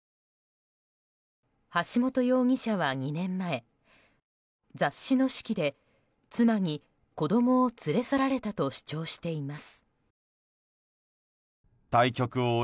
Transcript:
橋本容疑者は２年前雑誌の手記で妻に子供を連れ去られたと主張しています。